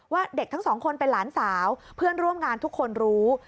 เด็กทั้งสองคนเป็นหลานสาวเพื่อนร่วมงานทุกคนรู้